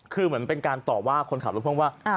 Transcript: คือเหมือนเป็นการตอบว่าคนขับรถพ่วงว่า